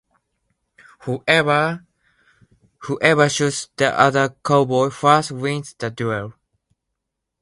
Whoever shoots the other cowboy first wins the duel.